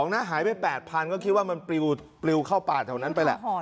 น่ะหายไปแปดพันคมก็คิดว่ามันปริวปริวเข้าปากแถวนั้นไปแหละ